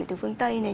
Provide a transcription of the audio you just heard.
từ phương tây này